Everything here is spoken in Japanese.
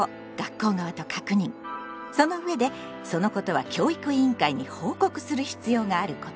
その上でそのことは教育委員会に報告する必要があること。